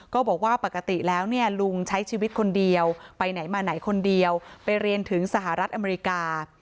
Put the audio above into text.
ก็บอกว่าปกติแล้วเนี่ยลุงใช้ชีวิตคนเดียวไปไหนมาไหนคนเดียวไปเรียนถึงสหรัฐอเมริกา